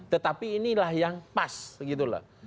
tetapi inilah yang pas gitu loh